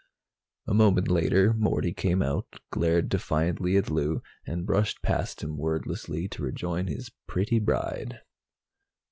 A moment later, Morty came out, glared defiantly at Lou and brushed past him wordlessly to rejoin his pretty bride.